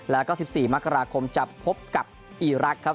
แล้วก็๑๔มกราคมจะพบกับอีรักษ์ครับ